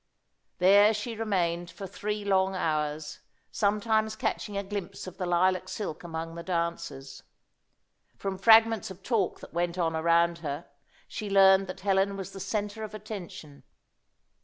There she remained for three long hours; sometimes catching a glimpse of the lilac silk among the dancers. From fragments of talk that went on around her, she learned that Helen was the centre of attention.